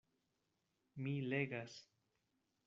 Mi legas.